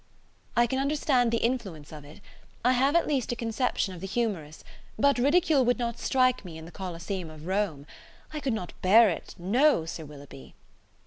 "I can understand the influence of it: I have at least a conception of the humourous, but ridicule would not strike me in the Coliseum of Rome. I could not bear it, no, Sir Willoughby!"